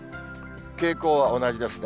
傾向は同じですね。